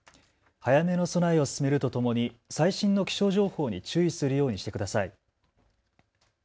早めの備えを進めるとともに最新の気象情報に注意するようにしてください。